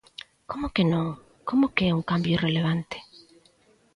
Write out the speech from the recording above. ¿Como que non?, ¿como que é un cambio irrelevante?